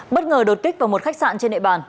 bất ngờ đột kích vào một khách sạn trên nệ bàn